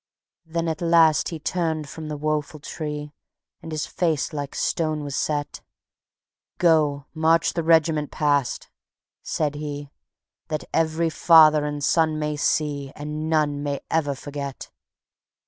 Then at last he turned from the woeful tree, And his face like stone was set; "Go, march the Regiment past," said he, "That every father and son may see, And none may ever forget."